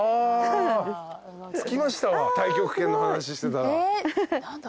着きましたわ太極拳の話してたら。